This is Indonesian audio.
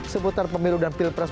seputar pemilu dan pilpres